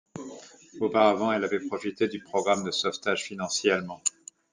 Auparavant, elle avait profité du programme de sauvetage financier allemand.